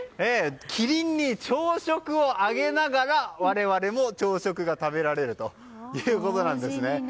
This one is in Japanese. キリンに朝食をあげながら我々も朝食が食べられるということなんですね。